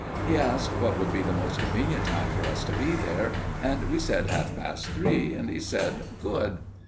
He asked what would be the most convenient time for us to be there, and we said half past three, and he said "Good!"